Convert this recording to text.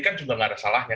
kan juga nggak ada salahnya